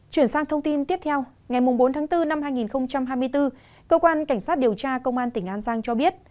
chuyển sang thông tin tiếp theo ngày bốn tháng bốn năm hai nghìn hai mươi bốn cơ quan cảnh sát điều tra công an tỉnh an giang cho biết